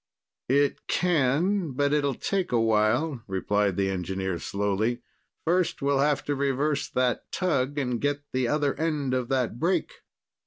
"It can, but it'll take a while," replied the engineer slowly. "First, we'll have to reverse that tug and get the other end of that break."